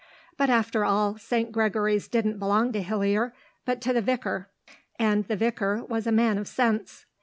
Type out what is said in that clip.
But after all, St. Gregory's didn't belong to Hillier but to the vicar, and the vicar was a man of sense.